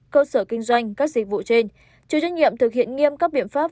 cơ sở kinh doanh các dịch vụ trên chủ doanh nghiệp thực hiện nghiêm cấp biện pháp